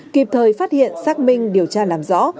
kịp thời phát hiện xác minh điều tra làm rõ